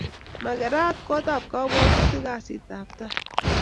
Makerat kot ab kabwatutik kasit ab tai